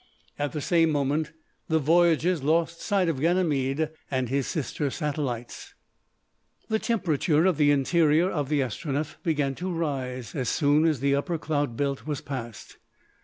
At the same moment the voyagers lost sight of Ganymede and his sister satellites. The temperature of the interior of the Astronef began to rise as soon as the upper cloud belt was passed.